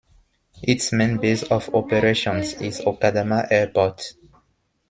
Its main base of operations is Okadama Airport.